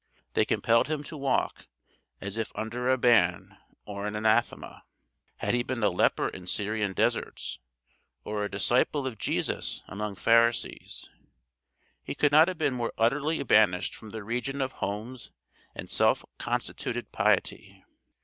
They compelled him to walk as if under a ban or an anathema. Had he been a leper in Syrian deserts, or a disciple of Jesus among Pharisees, he could not have been more utterly banished from the region of homes and self constituted piety.